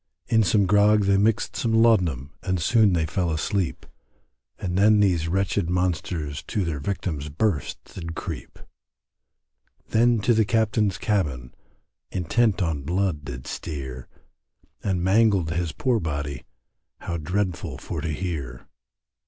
In some grog they mixed some laudanum And soon they fell asleep. And then these wretched monsters To their victim's berths did creep; Then to the Captain's cabin, Intent on blood did steer, And mangled his poor body, How dreadful for to hear.